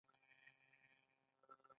په دویمه برخه کې د جین شارپ نظریه ده.